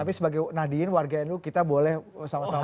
tapi sebagai nahdiyin warga nu kita boleh sama sama